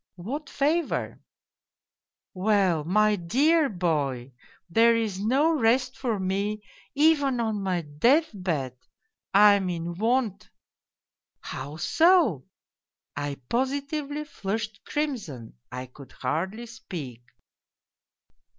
''' What favour ?'"' Well, my dear boy, there is no rest for me even on my dcath })<(!. I am in want.' "' How so ?' I positively flushed crimson, I could hardly speak.